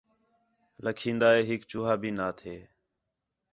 لَکھین٘دا ہِے ہِک چوہا بھی نہ تھے